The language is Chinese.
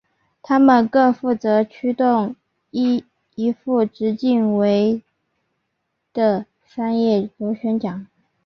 它们各负责驱动一副直径为的三叶螺旋桨。